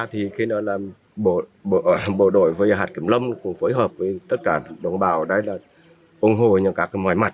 thì khi đó là bộ đội với hạt kiểm lâm cũng phối hợp với tất cả đồng bào ở đây là ủng hộ những các ngoại mặt